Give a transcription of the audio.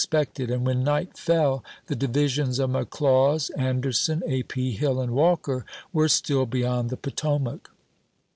pected, and when night fell the divisions of Mc ^^ j^i^^^ Laws, Anderson, A. P. Hill, and Walker were still igl^.^V.^k beyond the Potomac.